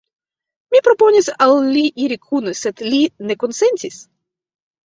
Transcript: Mi proponis al li iri kune, sed li ne konsentis!